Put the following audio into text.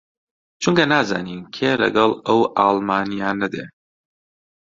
چونکە نازانین کێ لەگەڵ ئەو ئاڵمانییانە دێ